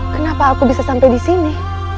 kenapa aku bisa sampai di sini